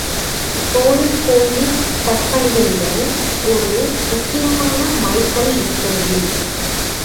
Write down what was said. சோழர் கோயில் கற்பணிகளிலே ஒரு முக்கியமான மைல் கல் இக்கோயில்.